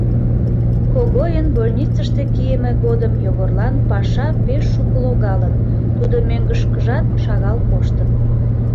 Когойын больницыште кийыме годым Йогорлан паша пеш шуко логалын, тудо мӧҥгышкыжат шагал коштын.